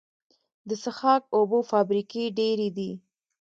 د څښاک اوبو فابریکې ډیرې دي